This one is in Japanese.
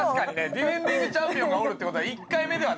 ディフェンディングチャンピオンがおるって事は。